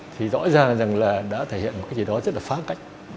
thì rõ ràng rằng là đã thể hiện một cái gì đó rất là phá cách